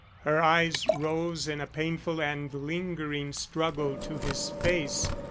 Her eyes rose in a painful and lingering struggle to his face.